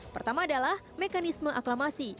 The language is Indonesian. pertama adalah mekanisme aklamasi